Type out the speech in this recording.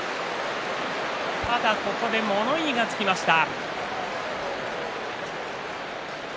ただここで物言いがつきました。